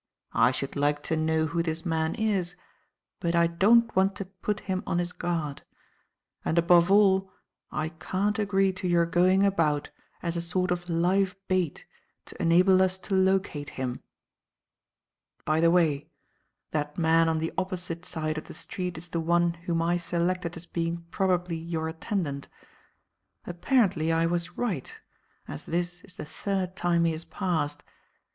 I should like to know who this man is, but I don't want to put him on his guard; and above all, I can't agree to your going about as a sort of live bait to enable us to locate him. By the way, that man on the opposite side of the street is the one whom I selected as being probably your attendant. Apparently I was right, as this is the third time he has passed.